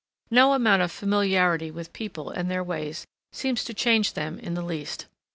No amount of familiarity with people and their ways seems to change them in the least.